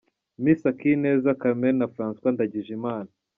Miss Akineza Carmen na Francois Ndagijimana.